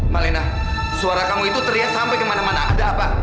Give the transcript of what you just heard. malena suara kamu itu teriak sampai kemana mana ada apa